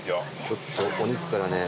ちょっとお肉からね。